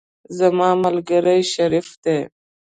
زما ملګری شریف دی.